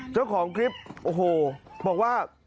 เจ้าของคลิปโอ้โหบอกว่า